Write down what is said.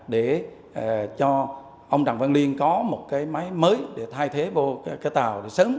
để cho ông trọng văn liên có một máy mới để thay thế vào tàu sớm